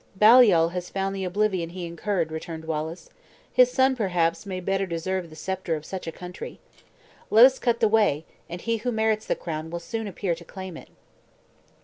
"Baliol has found the oblivion he incurred," returned Wallace; "his son, perhaps, may better deserve the scepter of such a country. Let us cut the way, and he who merits the crown will soon appear to claim it."